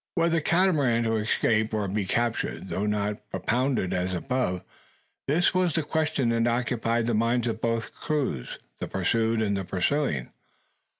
Were the Catamarans to escape or be captured? Though not propounded as above, this was the question that occupied the minds of both crews, the pursued and the pursuing.